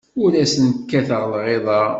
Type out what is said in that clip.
Ur asent-kkateɣ lɣiḍa.